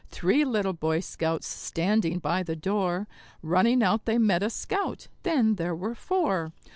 Three little Boy Scouts standing by the door; Running out they met a Scout then there were four.